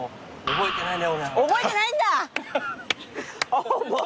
覚えてないよね。